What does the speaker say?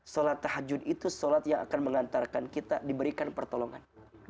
sholat tahajud itu sholat yang akan mengantarkan kita diberikan pertolongan